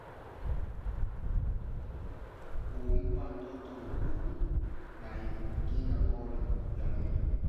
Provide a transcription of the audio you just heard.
Maelezo yake ni kwamba Ijumaa ni siku ya maombi kwa waumini wa dini ya kiislamu